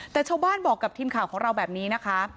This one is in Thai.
แต่ชาวบ้านบอกกับทีมข่าวของเราแบบนี้นะคะ